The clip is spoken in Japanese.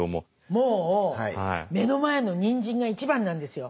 もう目の前のニンジンが一番なんですよ。